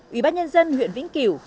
ủy bác nhân dân huyện vĩnh kiểu